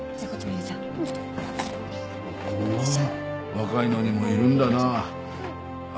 若いのにもいるんだなあ